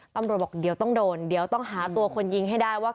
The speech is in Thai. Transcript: ตำรวจบอกเดี๋ยวต้องโดนเดี๋ยวต้องหาตัวคนยิงให้ได้ว่า